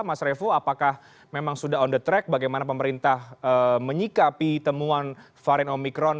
mas revo apakah memang sudah on the track bagaimana pemerintah menyikapi temuan varian omikron